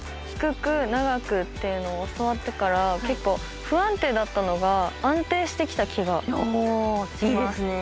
低く長くっていうのを教わってから結構不安定だったのが安定してきた気がします。